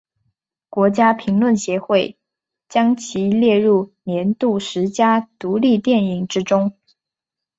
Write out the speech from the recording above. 国家评论协会将其列入年度十佳独立电影之中。